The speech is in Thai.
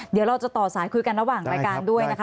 เดี๋ยวเราจะต่อสายคุยกันระหว่างรายการด้วยนะคะ